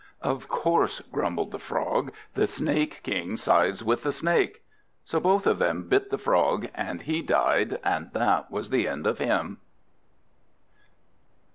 "Of course," grumbled the Frog, "the Snake King sides with the Snake." So both of them bit the Frog, and he died, and that was the end of him.